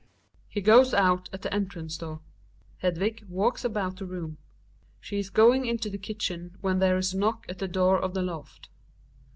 He goes out at the entrance door. Hedvig loalks about the room ; ahe is going into the kitchen when there ix a knock at the door of the loft.